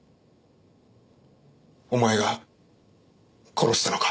お前が殺したのか？